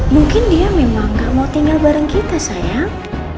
mungkin dia memang gak mau tinggal bareng kita sayang